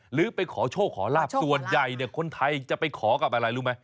หรือไปขอโชคขอลาบส่วนใหญ่เนี่ยคนไทยจะไปขอกับอะไรรู้ไหม